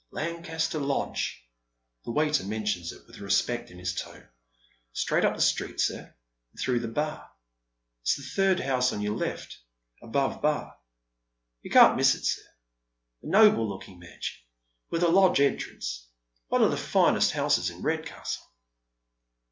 Lancaster Lodge." The waiter mentions it with respect in his tone. " Straight up the street, sir, and through the Bar. It is the third house on your left above Bar. You can't miss it, sir. A noble looking mansion, with a lodge entrance. One of the finest houses in Redcastle."